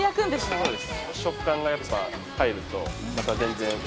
そうです。